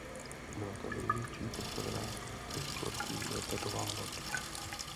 Byla to největší postavená eskortní letadlová loď.